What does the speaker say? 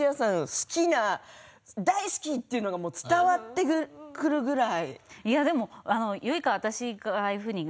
好きな大好きというのが伝わってくるぐらい。